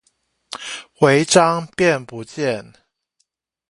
違章變不見